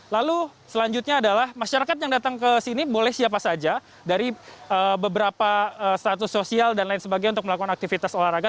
lalu selanjutnya adalah masyarakat yang datang ke sini boleh siapa saja dari beberapa status sosial dan lain sebagainya untuk melakukan aktivitas olahraga